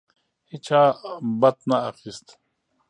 هیچا بت نه اخیست.